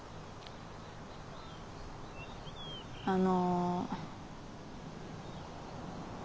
あの。